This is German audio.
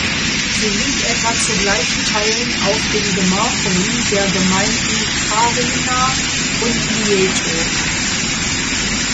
Sie liegt etwa zu gleichen Teilen auf den Gemarkungen der Gemeinden Kaarina und Lieto.